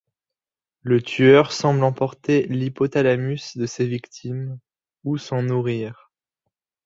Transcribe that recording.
Le tueur semble emporter l'hypothalamus de ses victimes, ou s'en nourrir.